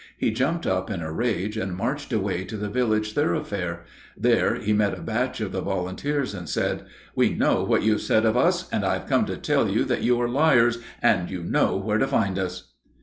He jumped up in a rage and marched away to the village thoroughfare. There he met a batch of the volunteers, and said, "We know what you have said of us, and I have come to tell you that you are liars, and you know where to find us."